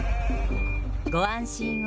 ご安心を。